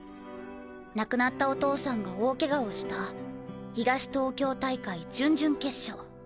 亡くなったお父さんが大ケガをした東東京大会準々決勝。